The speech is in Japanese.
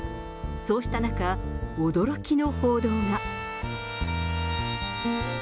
そうした中、驚きの報道が。